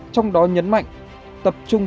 trong đó nhấn mạnh tập trung